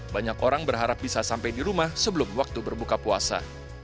banyak orang berharap bisa sampai di rumah sebelum waktu berbuka puasa